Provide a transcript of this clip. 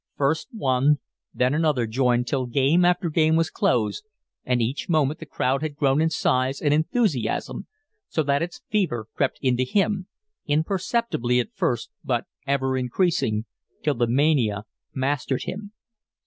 First one, then another joined till game after game was closed, and each moment the crowd had grown in size and enthusiasm so that its fever crept into him, imperceptibly at first, but ever increasing, till the mania mastered him.